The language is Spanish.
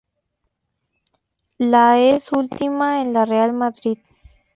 La es su última en el Real Madrid.